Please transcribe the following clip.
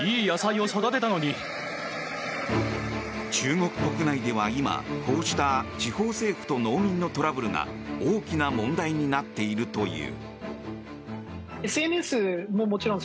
中国国内では今、こうした地方政府と農民のトラブルが大きな問題になっているという。